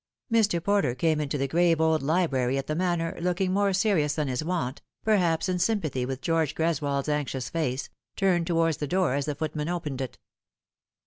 Mr. Porter came into the grave old library at the Manor looking more serious than his wont, perhaps in sympathy with George Greswold's anxious face, turned towards the door as the footman opened it.